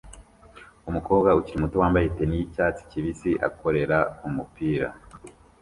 Umukobwa ukiri muto wambaye tennis yicyatsi kibisi akorera umupira